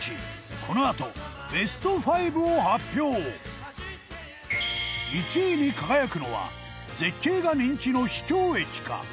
このあと、ベスト５を発表１位に輝くのは絶景が人気の秘境駅か？